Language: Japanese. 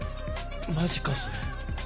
マジかそれ。